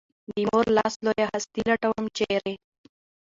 د مور لاس لویه هستي لټوم ، چېرې؟